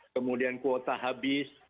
kemudian kuota habis